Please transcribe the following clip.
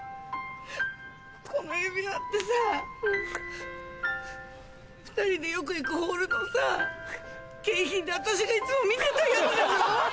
この指輪ってさ２人でよく行くホールのさ景品で私がいつも見てたやつでしょ？